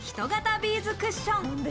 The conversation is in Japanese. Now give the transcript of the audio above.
ビーズクッション。